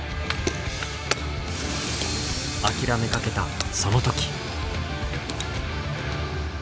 諦めかけたその時。